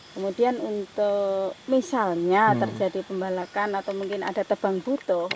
kemudian untuk misalnya terjadi pembalakan atau mungkin ada tebang butuh